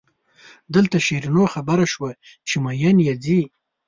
دلته شیرینو خبره شوه چې مئین یې ځي.